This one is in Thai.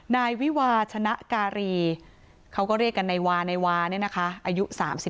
นายวิวาชนะการีเขาก็เรียกกันนายวานายวาเนี่ยนะคะอายุ๓๒